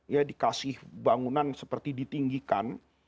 ya dikasih bangunan seperti ditinggikan